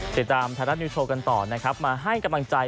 ติดตามไทยรัฐนิวโชว์กันต่อนะครับมาให้กำลังใจ